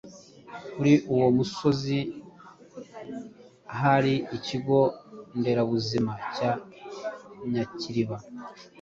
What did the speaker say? kuri uwo musozi ahari ikigo nderabuzima cya Nyakiriba.